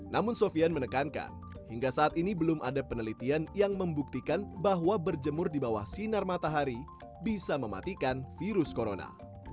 namun sofian menekankan hingga saat ini belum ada penelitian yang membuktikan bahwa berjemur di bawah sinar matahari bisa mematikan virus corona